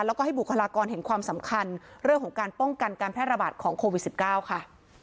แล้วก็ให้บุคลากรเห็นความสำคัญเรื่องของการป้องกันการแพร่ระบาดของโควิด๑๙ค่ะ